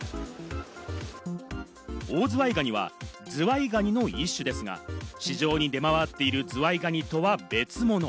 オオズワイガニはズワイガニの一種ですが、市場に出回っているズワイガニとは別物。